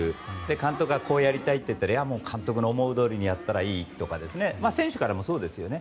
監督がこうやりたいと言ったら監督の思うとおりにやったらいいとか選手からもそうですよね。